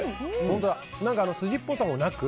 筋っぽさもなく。